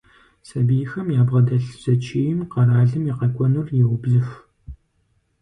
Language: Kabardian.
Сабийхэм ябгъэдэлъ зэчийм къэралым и къэкӀуэнур еубзыху.